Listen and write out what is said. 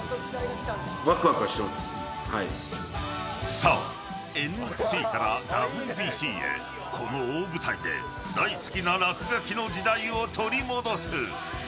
さあ、ＮＳＣからＷＢＣへこの大舞台で大好きな落書きの時代を取り戻す。